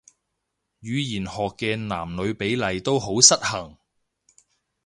語言學嘅男女比例都好失衡